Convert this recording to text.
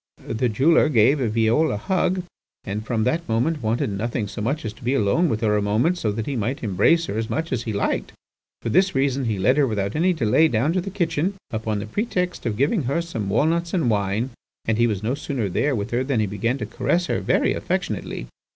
The jeweller gave Violle a hug, and from that moment wanted nothing so much as to be alone with her a moment, so that he might embrace her as much as he liked. For this reason he led her without any delay down to the kitchen, under the pretext of giving her some walnuts and wine, and he was no sooner there with her than he began to caress her very affectionately.